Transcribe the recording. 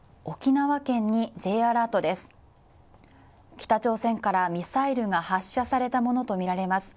北朝鮮からミサイルが発射されたものとみられます。